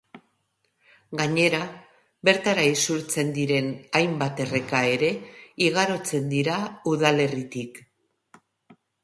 Gainera, bertara isurtzen diren hainbat erreka ere igarotzen dira udalerritik.